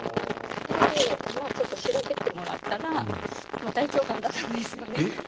でまあちょっと調べてもらったら大腸がんだったんですよね。えっ！？